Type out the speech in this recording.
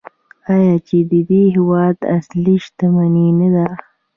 آیا چې د دې هیواد اصلي شتمني نه ده؟